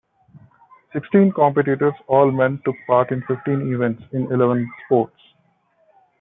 Sixteen competitors, all men, took part in fifteen events in eleven sports.